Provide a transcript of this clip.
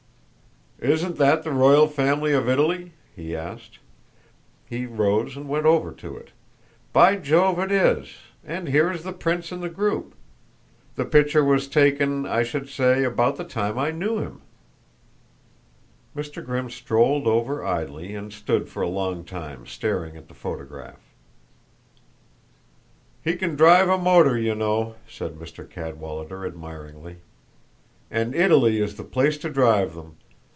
"Isn't that the royal family of Italy?" he asked. He rose and went over to it. "By Jove, it is, and here is the prince in the group. The picture was taken, I should say, about the time I knew him." Mr. Grimm strolled over idly and stood for a long time staring at the photograph. "He can drive a motor, you know," said Mr. Cadwallader admiringly. "And Italy is the place to drive them.